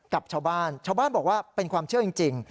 กับชาวบ้านชาวบ้านบอกว่าเป็นความเชื่อจริง